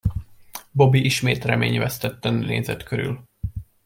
Bobby ismét reményvesztetten nézett körül.